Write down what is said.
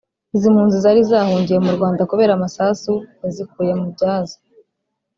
Izi mpunzi zari zahungiye mu Rwanda kubera amasasu yazikuye mu byazo